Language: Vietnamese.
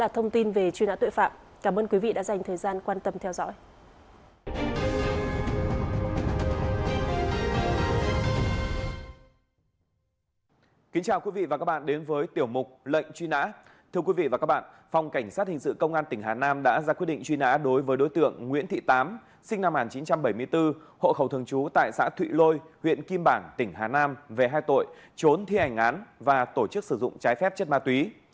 thị tám sinh năm một nghìn chín trăm bảy mươi bốn hộ khẩu thường trú tại xã thụy lôi huyện kim bảng tỉnh hà nam về hai tội trốn thi hành án và tổ chức sử dụng trái phép chất ma túy